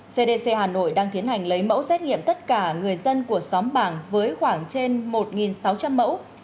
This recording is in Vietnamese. cdc hà nội đang tiến hành lấy mẫu xét nghiệm tất cả người dân của xóm bảng với khoảng trên một sáu trăm linh mẫu